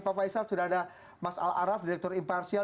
pak faisal sudah ada mas al araf direktur imparsial